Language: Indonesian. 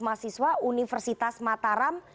masiswa universitas mataram